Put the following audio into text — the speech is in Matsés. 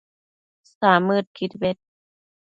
samëdquid bed